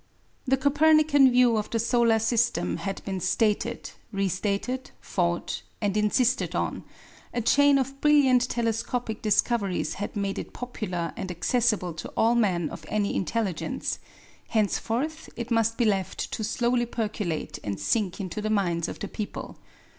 The Copernican view of the solar system had been stated, restated, fought, and insisted on; a chain of brilliant telescopic discoveries had made it popular and accessible to all men of any intelligence: henceforth it must be left to slowly percolate and sink into the minds of the people.